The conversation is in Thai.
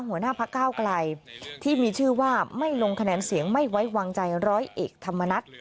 หัวหน้าพักก้าวไกลที่มีชื่อว่าไม่ลงคะแนนเสียงไม่ไว้วางใจร้อยเอกธรรมนัฐ